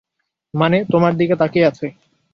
মানে, তোমার দিকে তাকিয়ে আছে।